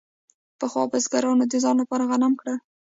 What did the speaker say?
پخوا بزګرانو د ځان لپاره غنم کرل.